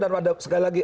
dan sekali lagi